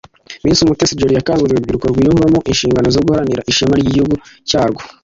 Miss Mutesi Jolly yakanguriye urubyiruko kwiyumvamo inshingano zo guharanira ishema ry’igihugu cyarwo